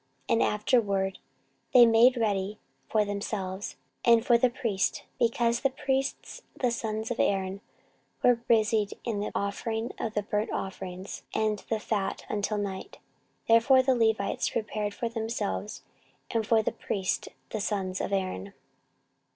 14:035:014 And afterward they made ready for themselves, and for the priests: because the priests the sons of Aaron were busied in offering of burnt offerings and the fat until night; therefore the Levites prepared for themselves, and for the priests the sons of Aaron.